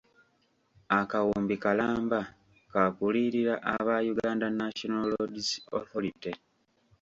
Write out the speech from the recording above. Akawumbi kalamba ka kuliyirira aba Uganda National Roads Authority.